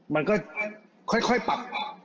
มันก็ค่อยปรับ